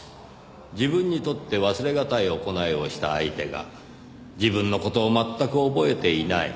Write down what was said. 自分にとって忘れがたい行いをした相手が自分の事を全く覚えていない。